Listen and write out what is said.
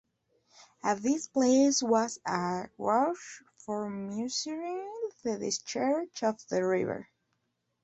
At this place was a gauge for measuring the discharge of the river.